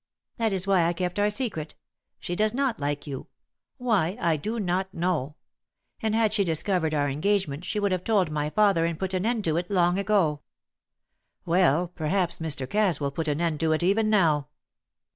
"That is why I kept our secret. She does not like you; why, I do not know. And had she discovered our engagement she would have told my father and put an end to it long ago." "Well, perhaps Mr. Cass will put an end to it even now."